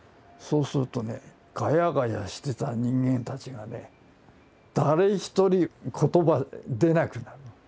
そうするとねがやがやしてた人間たちがね誰一人言葉出なくなる。